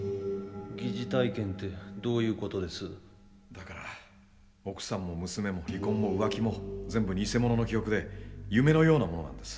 だから奥さんも娘も離婚も浮気も全部偽物の記憶で夢のようなものなんです。